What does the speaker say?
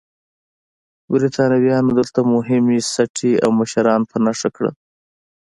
برېټانویانو دلته مهمې سټې او مشران په نښه کړل.